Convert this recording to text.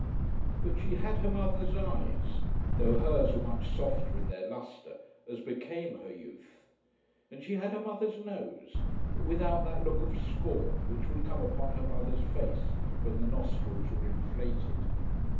But she had her mother's eyes, though hers were much softer in their lustre, as became her youth, and she had her mother's nose, but without that look of scorn which would come upon her mother's face when the nostrils were inflated.